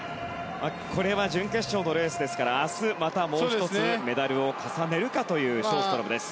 これは準決勝のレースですから明日、もう１つメダルを重ねるかというショーストロムです。